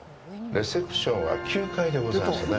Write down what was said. レセプションは９階でございますね。